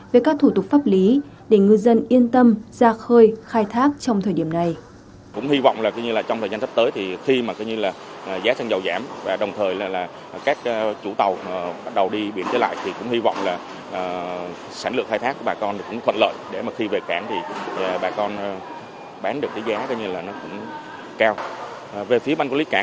về các thủ tục pháp lý để ngư dân yên tâm ra khơi khai thác trong thời điểm này